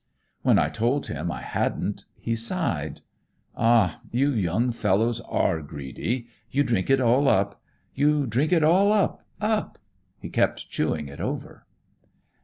When I told him I hadn't, he sighed. 'Ah, you young fellows are greedy. You drink it all up. You drink it all up, all up up!' he kept chewing it over."